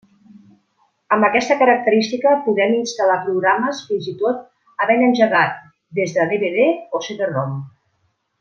Amb aquesta característica podem instal·lar programes fins i tot havent engegat des de DVD o CD-ROM.